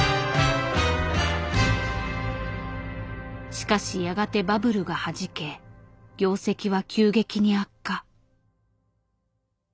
しかしやがてバブルがはじけ業績は急激に悪化。